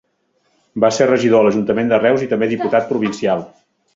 Va ser regidor a l'ajuntament de Reus, i també diputat provincial.